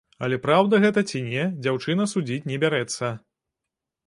Але праўда гэта ці не, дзяўчына судзіць не бярэцца.